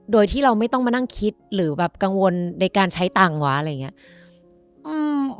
โดยที่เราไม่ต้องมานั่งคิดหรือแบบกังวลในการใช้ตังค์วะอะไรอย่างนี้